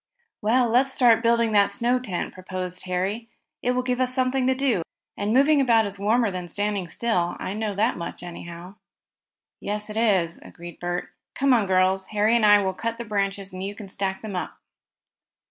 "Well, let's start building that snow tent," proposed Harry. "It will give us something to do, and moving about is warmer than standing still. I know that much, anyhow." "Yes, it is," agreed Bert. "Come on, girls. Harry and I will cut the branches and you can stack them up."